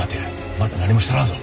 まだ何もしとらんぞ。